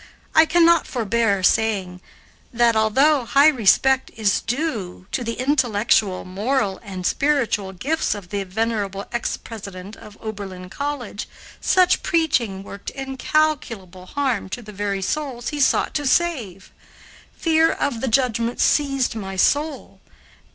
I cannot forbear saying that, although high respect is due to the intellectual, moral, and spiritual gifts of the venerable ex president of Oberlin College, such preaching worked incalculable harm to the very souls he sought to save. Fear of the judgment seized my soul.